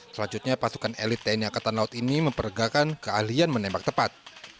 selanjutnya pasukan elit tni angkatan laut ini mempergakan keahlian menembak tepat